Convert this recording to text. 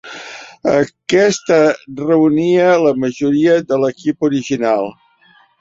Aquesta reunia la majoria de l'equip original.